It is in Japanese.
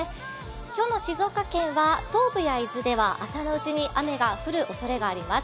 今日の静岡県は東部や伊豆では朝のうちでは雨が降るおそれがあります。